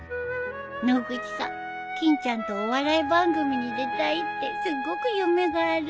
野口さん「欽ちゃんとお笑い番組に出たい」ってすごく夢があるね。